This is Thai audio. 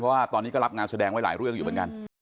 เพราะว่าตอนนี้ก็รับงานแสดงไว้หลายเรื่องอยู่เหมือนกัน